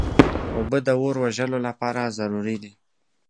اوبه د اور وژلو لپاره ضروري دي.